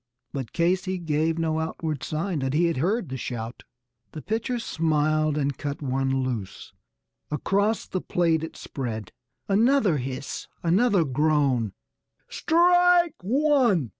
But Casey gave no outward sign that he had heard the shout. The pitcher smiled and cut one loose; across the plate it spread; Another hiss, another groan "Strike one!"